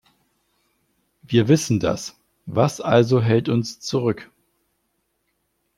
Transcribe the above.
Wir wissen das, was also hält uns zurück?